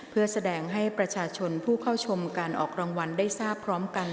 เพื่อแสดงให้ประชาชนผู้เข้าชมการออกรางวัลได้ทราบพร้อมกัน